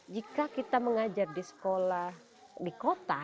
jika kita mengajar di sekolah di kota